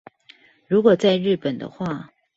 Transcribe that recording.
如果在日本的話